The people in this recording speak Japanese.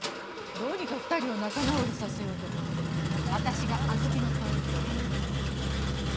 どうにか２人を仲直りさせようと思って私があずきの代わりに謝ったの。